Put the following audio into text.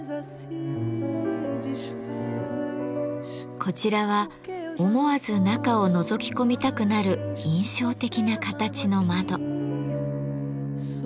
こちらは思わず中をのぞき込みたくなる印象的な形の窓。